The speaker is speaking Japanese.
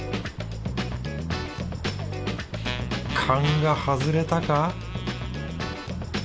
勘が外れたか？